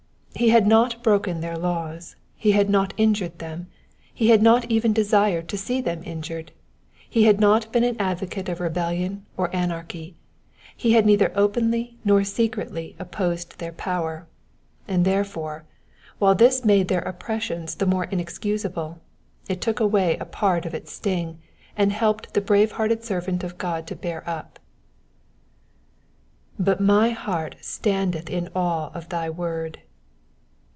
He had not broken their laws, he had not injured them, he had not even desired to see them injured, he had not been an advocate of rebellion or anarchy, he had neither openly nor secretly opposed their power, and therefore, while this made their oppression the more inexcusable, it took away a part of its sting, and helped the brave hearted servant of God to bear up. ^^But my heart standeth in awe of thy word.''